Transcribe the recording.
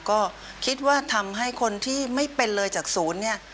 ก็คิดว่าทำให้คนที่ไม่เป็นเลยจากศูนย์เนี่ย